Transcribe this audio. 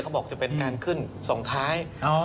บอกจะเป็นการขึ้นส่งท้าย